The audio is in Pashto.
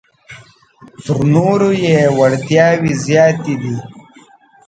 تر نورو یې وړتیاوې زیاتې دي.